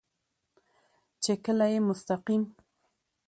چې کله يې مستقيم